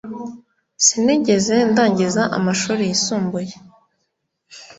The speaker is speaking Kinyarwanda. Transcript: Sinigeze ndangiza amashuri yisumbuye